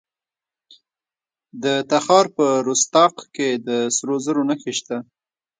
د تخار په رستاق کې د سرو زرو نښې شته.